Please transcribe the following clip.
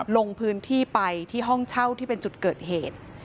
ลงพื้นที่ไปที่ห้องเช่าที่เป็นจุดเกิดเหตุ